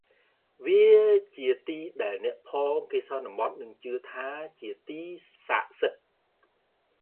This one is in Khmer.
វាជាទីដែលអ្នកផងគេសន្មតនិងជឿថាជាទីស័ក្ដិសិទ្ធិ។